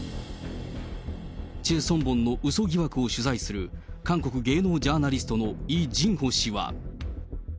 チェ・ソンボンのうそ疑惑を取材する、韓国芸能ジャーナリストのイ・ジンホ氏は。